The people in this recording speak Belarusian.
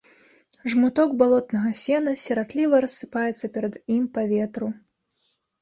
Жмуток балотнага сена сіратліва рассыпаецца перад ім па ветру.